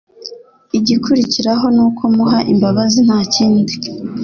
igikurikiraho nuko muha imbabazi ntakindi